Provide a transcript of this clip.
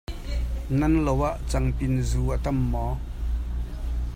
Nan lo ah cangpin zu a tam maw?